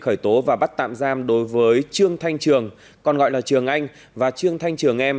khởi tố và bắt tạm giam đối với trương thanh trường còn gọi là trường anh và trương thanh trường em